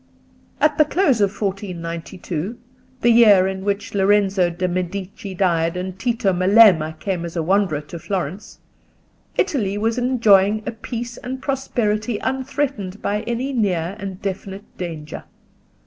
At the close of 1492, the year in which Lorenzo de' Medici died and Tito Melema came as a wanderer to Florence, Italy was enjoying a peace and prosperity unthreatened by any near and definite danger.